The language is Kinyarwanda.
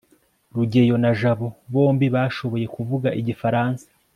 rugeyo na jabo bombi bashoboye kuvuga igifaransa